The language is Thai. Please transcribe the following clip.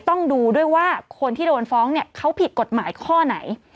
ต้องดูด้วยว่าคนที่โดนฟ้องเนี่ยเขาผิดกฎหมายข้อไหน